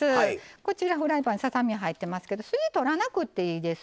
こちらフライパンささ身入ってますけど筋取らなくていいです。